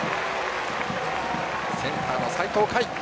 センターの齊藤海。